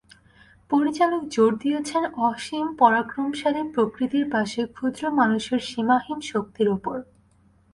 পরিচালক জোর দিয়েছেন অসীম পরাক্রমশালী প্রকৃতির পাশে ক্ষুদ্র মানুষের সীমাহীন শক্তির ওপর।